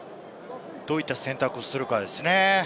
どういった選択をするかですね。